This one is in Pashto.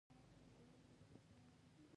او فرعي احکام هم ورته ويل کېږي.